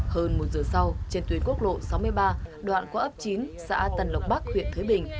hơn một giờ sau trên tuyến quốc lộ sáu mươi ba đoạn qua ấp chín xã tân lộc bắc huyện thới bình